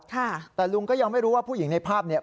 แต่ลุงก็ยังไม่รู้ว่าผู้หญิงในภาพเนี่ย